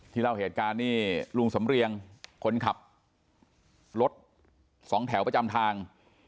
เล่าเหตุการณ์นี่ลุงสำเรียงคนขับรถสองแถวประจำทาง